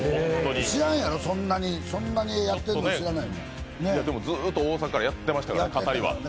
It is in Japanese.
知らんやろう、そんなにやってるのずっと大阪から語りはやってましたからね。